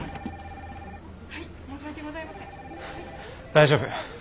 大丈夫。